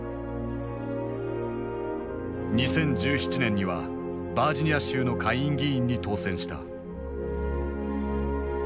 ２０１７年にはバージニア州の下院議員に当選した。